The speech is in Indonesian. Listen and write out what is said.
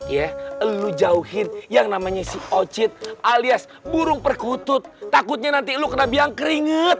ya lu jauhin yang namanya si ocit alias burung perkutut takutnya nanti lu kena bilang keringet